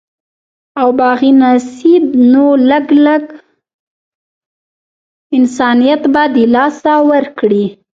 او باغي نسي نو لږ، لږ انسانيت به د لاسه ورکړي